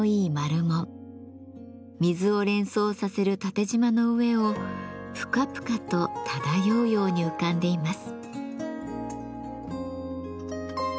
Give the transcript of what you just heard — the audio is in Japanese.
水を連想させる縦じまの上をぷかぷかと漂うように浮かんでいます。